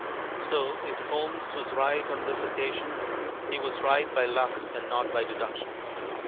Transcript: So if Holmes was right on this occasion, he was right by luck and not by deduction.